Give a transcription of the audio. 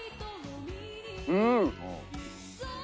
うん！